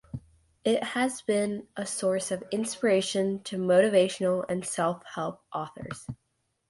It has been a source of inspiration to motivational and self-help authors.